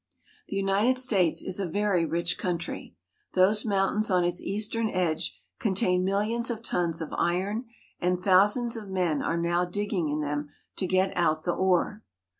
The United States is a very rich country. Those moun tains on its eastern edge contain millions of tons of iron, and thousands of men are now digging in them to get out the ore.